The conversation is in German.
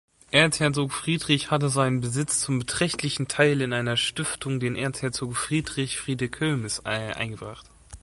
Erzherzog Friedrich hatte seinen Besitz zum beträchtlichen Teil in eine Stiftung, den Erzherzog-Friedrich-Fideikommiss, eingebracht.